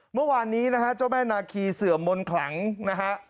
เมื่อวานนี้นะฮะเจ้าแม่นาคีเสื่อมมนต์ขลังนะฮะ